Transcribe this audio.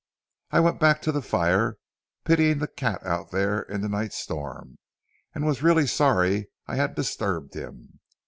"I went back to the fire, pitying the cat out there in the night's storm, and was really sorry I had disturbed him.